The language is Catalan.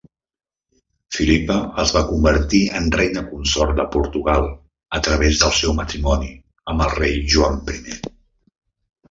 Philippa es va convertir en reina consort de Portugal a través del seu matrimoni amb el rei Joan Primer.